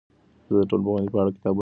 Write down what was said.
زه د ټولنپوهنې په اړه کتابونه لولم.